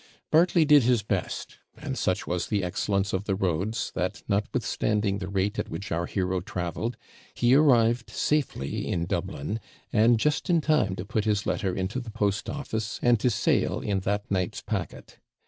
Bartley did his best; and such was the excellence of the roads, that, notwithstanding the rate at which our hero travelled, he arrived safely in Dublin, and just in time to put his letter into the post office, and to sail in that night's packet.